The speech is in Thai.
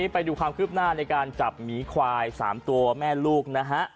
ไปดูความคืบหน้าในการจับหมีควาย๓ตัวแม่ลูกนะฮะ